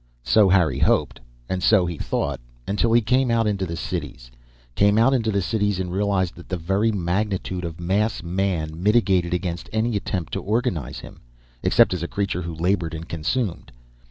So Harry hoped, and so he thought, until he came out into the cities; came out into the cities and realized that the very magnitude of Mass Man mitigated against any attempt to organize him, except as a creature who labored and consumed.